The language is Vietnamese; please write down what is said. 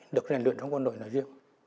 được rèn luyện trong quân đội nói riêng